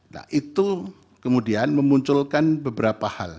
nah itu kemudian memunculkan beberapa hal